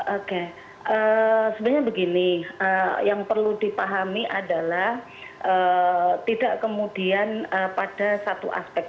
oke sebenarnya begini yang perlu dipahami adalah tidak kemudian pada satu aspek